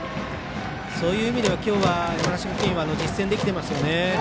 そういう意味では今日は山梨学院は実践できてますよね。